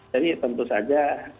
jadi tentu saja